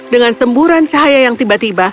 dengan semburan cahaya yang tiba tiba